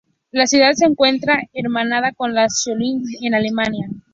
La ciudad se encuentra hermanada con la de Solingen, en Alemania.